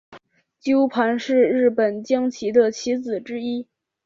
鸠盘是日本将棋的棋子之一。